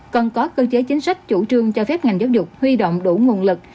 cần có cơ chế chính sách chủ trương cho phép ngành giáo dục huy động đủ nguồn lực